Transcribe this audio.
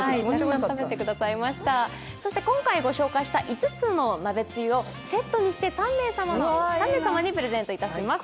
そして今回ご紹介しました５つの鍋つゆをセットにして３名様にプレゼントします。